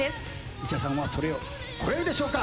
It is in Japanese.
イチャさんはそれを超えるでしょうか？